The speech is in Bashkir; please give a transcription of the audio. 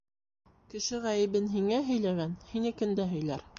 Кеше ғәйебен һиңә һөйләгән һинекен дә һөйләр.